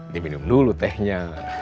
diminum dulu tehnya